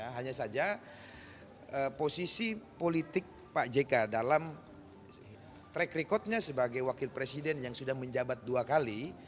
hanya saja posisi politik pak jk dalam track recordnya sebagai wakil presiden yang sudah menjabat dua kali